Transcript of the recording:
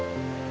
gak ada apa apa